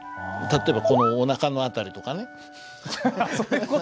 例えばこのおなかのあたりとかね。